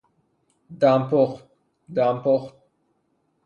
دم پخت ـ دمپخت